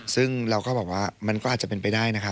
ซึ่งเราก็บอกว่ามันก็อาจจะเป็นไปได้นะครับ